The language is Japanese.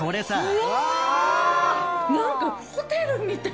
うわ何かホテルみたい。